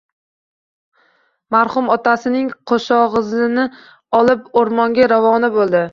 Marhum otasining qoʻshogʻizini olib, oʻrmonga ravona boʻldi.